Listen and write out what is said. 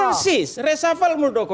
persis resafil muldoko